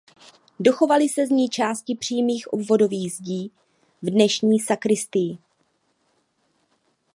Dochovaly se z ní části přímých obvodových zdí v dnešní sakristii.